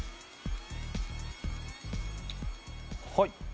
はい。